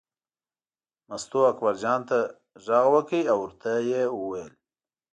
مستو اکبرجان ته غږ وکړ او ورته یې وویل.